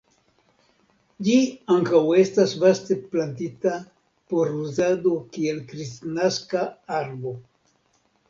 Ĝi ankaŭ estas vaste plantita por uzado kiel kristnaska arbo.